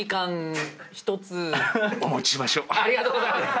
ありがとうございます！